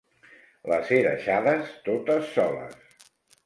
Les he deixades totes soles.